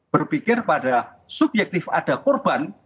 berpikir pada subjektif ada korban